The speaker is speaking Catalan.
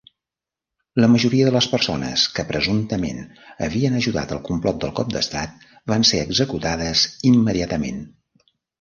La majoria de les persones que presumptament havien ajudat al complot del cop d'estat van ser executades immediatament.